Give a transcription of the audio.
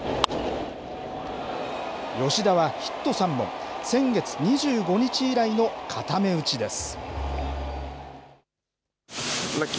吉田はヒット３本、先月２５日以来の固め打ちです。